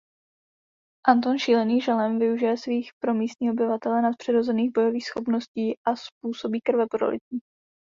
Anton šílený žalem využije svých pro místní obyvatele nadpřirozených bojových schopností a způsobí krveprolití.